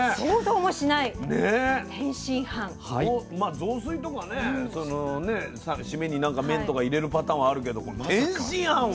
雑炊とかねシメに何か麺とか入れるパターンはあるけど天津飯は。